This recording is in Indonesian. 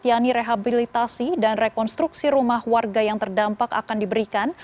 yakni rehabilitasi dan rekonstruksi rumah warga yang terdampak akan diberikan